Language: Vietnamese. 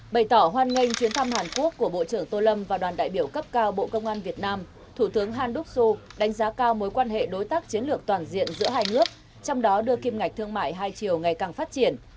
bày tỏ hoan nghênh chuyến thăm hàn quốc của bộ trưởng tô lâm và đoàn đại biểu cấp cao bộ công an việt nam thủ tướng handok sô đánh giá cao mối quan hệ đối tác chiến lược toàn diện giữa hai nước trong đó đưa kim ngạch thương mại hai chiều ngày càng phát triển